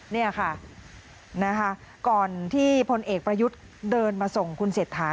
นี่ค่ะนะคะก่อนที่พลเอกประยุทธ์เดินมาส่งคุณเศรษฐา